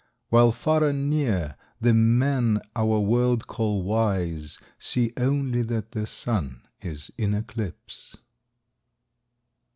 While far and near the men our world call wise See only that the Sun is in eclipse.